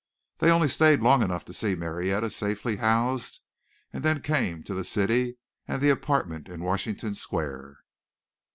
They only stayed long enough to see Marietta safely housed and then came to the city and the apartment in Washington Square.